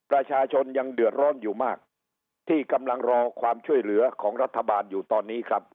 ประชาชนยังเดือดร้อนอยู่มากที่กำลังรอความช่วยเหลือของรัฐบาลอยู่ตอนนี้ครับ